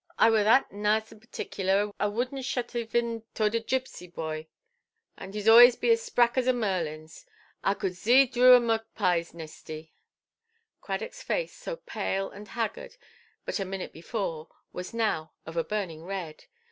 A wor that naice and pertiklar, a woodnʼt shat iven toard a gipsy bwoy. And his oyes be as sprack as a merlinʼs. A cood zee droo a mokpieʼs neestie". Cradockʼs face, so pale and haggard but a minute before, was now of a burning red.